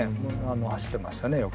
走ってましたねよく。